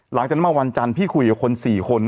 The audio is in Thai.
หลังจากเมื่อวันจันทร์พี่คุยกับคน๔คน